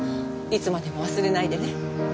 いつまでも忘れないでね。